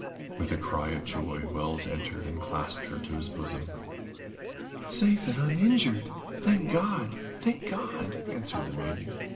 With a cry of joy Wells entered and clasped her to his bosom. "Safe and uninjured! Thank God—thank God!" answered the maiden.